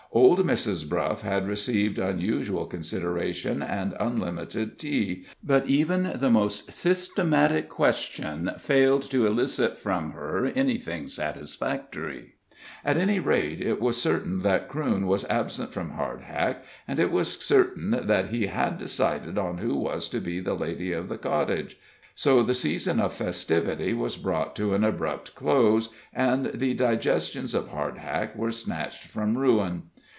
Old Mrs. Bruff had received unusual consideration and unlimited tea, but even the most systematic question failed to elicit from her anything satisfactory. At any rate, it was certain that Crewne was absent from Hardhack, and it was evident that he had decided who was to be the lady of the cottage, so the season of festivity was brought to an abrupt close, and the digestions of Hardhack were snatched from ruin.